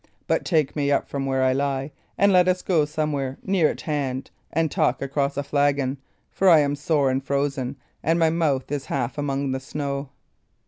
But take me up from where I lie, and let us go somewhere near at hand and talk across a flagon, for I am sore and frozen, and my mouth is half among the snow."